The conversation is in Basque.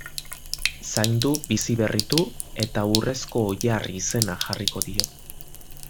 Zaindu, biziberritu, eta urrezko oilar izena jarriko dio.